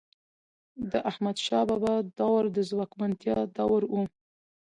د احمدشاه بابا دور د ځواکمنتیا دور و.